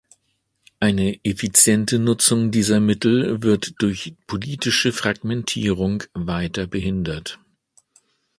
Eine effiziente Nutzung dieser Mittel wird durch politische Fragmentierung weiter behindert.